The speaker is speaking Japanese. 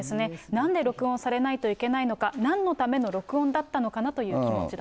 なんで録音されないといけないのか、なんのための録音だったのかなという気持ちだと。